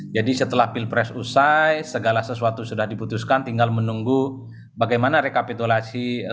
jadi setelah pilpres usai segala sesuatu sudah dibutuhkan tinggal menunggu bagaimana rekapitulasi suatu